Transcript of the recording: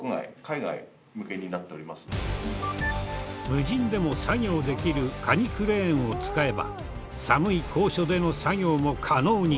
無人でも作業できるカニクレーンを使えば寒い高所での作業も可能に。